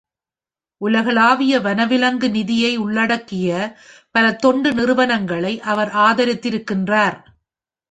உலகளாவிய வனவிலங்கு நிதியை உள்ளடக்கிய பல தொண்டு நிறுவனங்களை அவர் ஆதரித்து இருக்கின்றார்.